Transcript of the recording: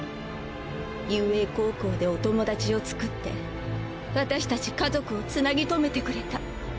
雄英高校でお友達をつくって私達家族をつなぎとめてくれた。